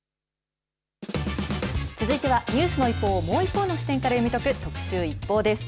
続いてはニュースの一報をもう一方の視点から読み解く特集ＩＰＰＯＵです。